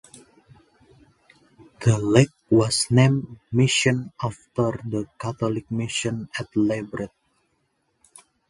The lake was named "Mission" after the Catholic mission at Lebret.